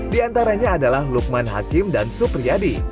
di antaranya adalah lukman hakim dan supriyadi